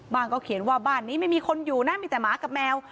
เขียนว่าบ้านนี้ไม่มีคนอยู่นะมีแต่หมากับแมว